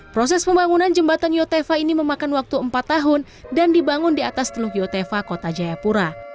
proses pembangunan jembatan yotefa ini memakan waktu empat tahun dan dibangun di atas teluk yotefa kota jayapura